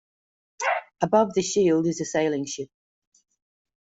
Above the shield is a sailing ship.